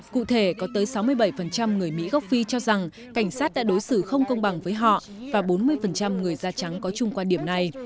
cụ thể có tới sáu mươi bảy người mỹ gốc phi cho rằng cảnh sát đã đối xử không công bằng với họ và bốn mươi người da trắng có chung quan điểm này